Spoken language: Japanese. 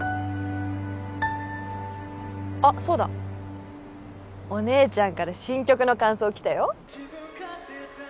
あっそうだお姉ちゃんから新曲の感想来たよ